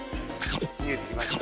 見えてきました？